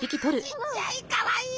ちっちゃいかわいい！